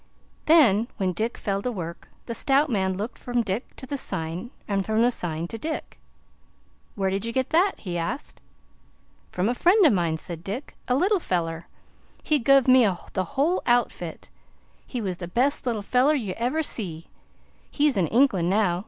Then when Dick fell to work, the stout man looked from Dick to the sign and from the sign to Dick. "Where did you get that?" he asked. "From a friend o' mine," said Dick, "a little feller. He guv' me the whole outfit. He was the best little feller ye ever saw. He's in England now.